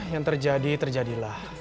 yang terjadi terjadilah